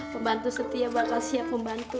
pembantu setia bakal siap membantu